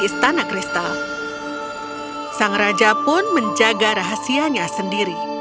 sang raja pun menjaga rahasianya sendiri